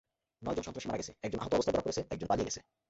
নয়জন সন্ত্রাসী মারা গেছে, একজন আহত অবস্থায় ধরা পড়েছে, একজন পালিয়ে গেছে।